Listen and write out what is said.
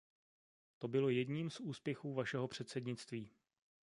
To bylo jedním z úspěchů vašeho předsednictví.